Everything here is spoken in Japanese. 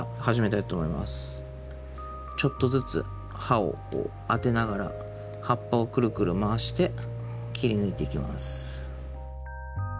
ちょっとずつ刃を当てながら葉っぱをくるくる回して切り抜いていきます。